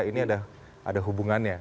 ini ada hubungannya